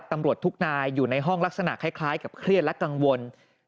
ตำรวจทุกนายอยู่ในห้องลักษณะคล้ายกับเครียดและกังวล